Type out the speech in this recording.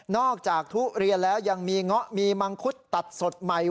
จากทุเรียนแล้วยังมีเงาะมีมังคุดตัดสดใหม่